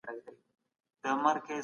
حق تل بريالی وي.